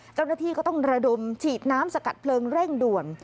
เจ้าหน้าที่ก็ต้องระดมฉีดน้ำสกัดเพลิงเร่งด่วน